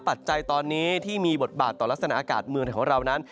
ปัจจัยตอนนี้ที่มีบทบาทต่อลักษณะอากาศเมืองของเรานั้น